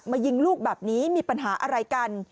ยิงลูกแบบนี้มีปัญหาอะไรกัน